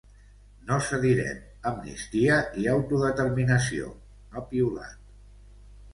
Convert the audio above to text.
“No cedirem: amnistia i autodeterminació!”, ha piulat.